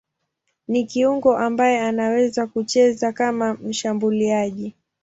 Ni kiungo ambaye anaweza kucheza kama mshambuliaji.